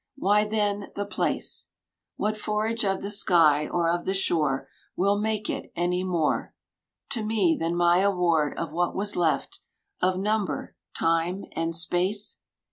Why then, the place ? What forage of the sky or of the shore Will make it any more, To me, than my award of what was left Of nmnber, time, and space?